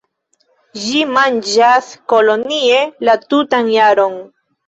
Ĝi manĝas kolonie la tutan jaron.